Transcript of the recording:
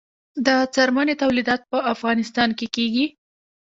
د څرمنې تولیدات په افغانستان کې کیږي